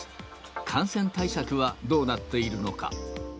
感染対策はどうなっているのか。